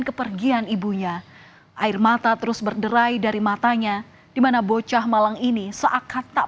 kepergian ibunya air mata terus berderai dari matanya dimana bocah malang ini seakan tak